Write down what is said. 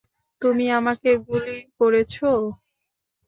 তুমি আমাকে গুলি করেছো!